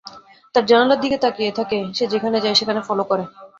তার জানালার দিকে তাকিয়ে থাকে, সে যেখানে যায় সেখানে ফলো করে।